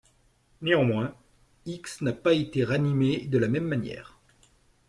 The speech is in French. Néanmoins, X n'a pas été ranimé de la même manière.